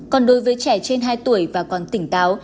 còn đối với trẻ trên hai tuổi và còn tỉnh táo